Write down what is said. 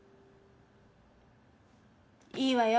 いいわよ